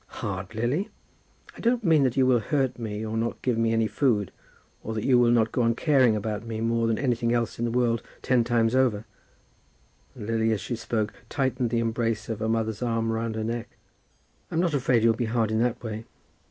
"Hard, Lily!" "I don't mean that you will hurt me, or not give me any food, or that you will not go on caring about me more than anything else in the whole world ten times over; " And Lily as she spoke tightened the embrace of her mother's arm round her neck. "I'm not afraid you'll be hard in that way.